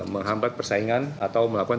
menghambat persaingan atau melakukan